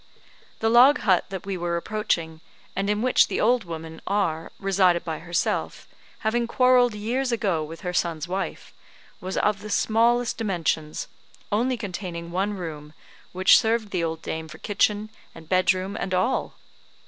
The log hut that we were approaching, and in which the old woman, R , resided by herself having quarrelled years ago with her son's wife was of the smallest dimensions, only containing one room, which served the old dame for kitchen, and bed room, and all.